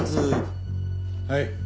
はい。